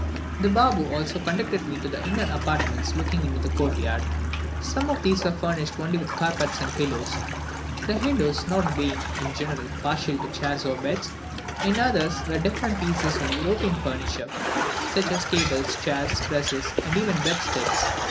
The Baboo also conducted me to the inner apartments looking into the courtyard. Some of these were furnished only with carpets and pillows, the Hindoos not being, in general, partial to chairs or beds; in others, were different pieces of European furniture, such as, tables, chairs, presses, and even bedsteads.